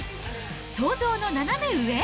想像の斜め上？